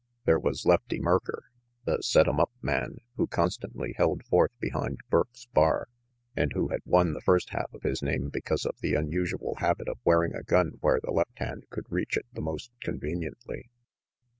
There was Lefty Merker, the set 'em up man, who constantly held forth behind Burke's bar, and who had won the first half of his name because of the unusual habit of wearing a gun where the left hand could reach it the most con veniently.